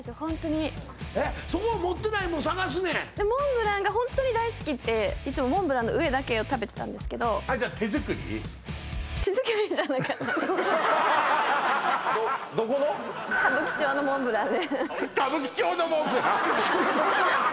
そこは持ってないもん探すねんモンブランがホントに大好きっていつもモンブランの上だけを食べてたんですけど歌舞伎町のモンブラン？